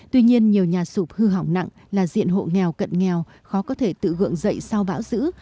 tuy nhiên nhiều nhà sụp hư hỏng nặng là diện hộ nghèo cận nghèo khó có thể tự gượng dậy sau bão giữ